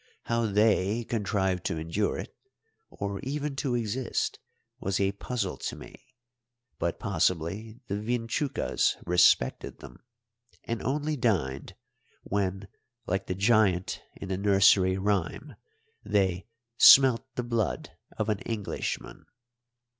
How they contrived to endure it, or even to exist, was a puzzle to me; but possibly the vinchucas respected them, and only dined when, like the giant in the nursery rhyme, they "smelt the blood of an Englishman."